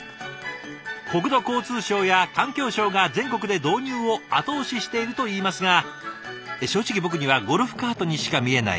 国土交通省や環境省が全国で導入を後押ししているといいますが正直僕にはゴルフカートにしか見えない。